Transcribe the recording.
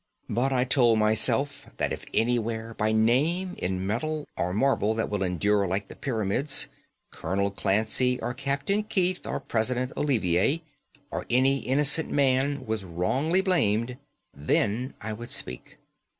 But I told myself that if anywhere, by name, in metal or marble that will endure like the pyramids, Colonel Clancy, or Captain Keith, or President Olivier, or any innocent man was wrongly blamed, then I would speak.